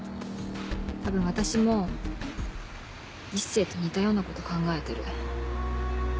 多分私も一星と似たようなこと考えてる。